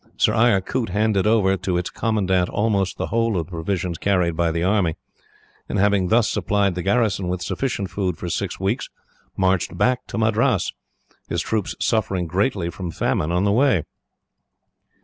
Sir Eyre Coote handed over, to its commandant, almost the whole of the provisions carried by the army, and, having thus supplied the garrison with sufficient food for six weeks, marched back to Madras, his troops suffering greatly from famine on the way.